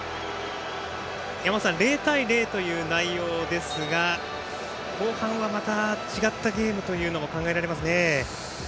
山本さん０対０という内容ですが後半はまた違ったゲームも考えられますね。